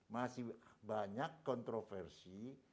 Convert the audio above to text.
masih banyak kontroversi